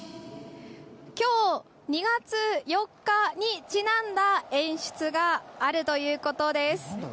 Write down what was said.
きょう、２月４日にちなんだ演出があるということです。